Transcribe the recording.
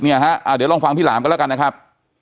เดี๋ยวลองฟังพี่หลามกันแล้วกันนะครับ